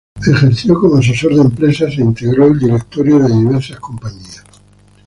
Ejerció como asesor de empresas e integró el directorio de diversas compañías.